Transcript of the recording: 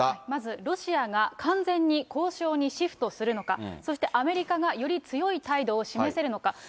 まずロシアが完全に交渉にシフトするのか、そしてアメリカがより強い態度を示せるのか。